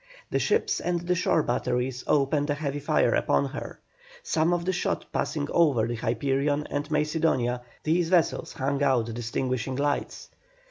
The ships and the shore batteries opened a heavy fire upon her. Some of the shot passing over the Hyperion and Macedonia, these vessels hung out distinguishing lights.